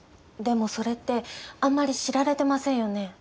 でもそれってあんまり知られてませんよね。